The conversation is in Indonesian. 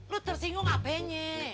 lo tersinggung apainya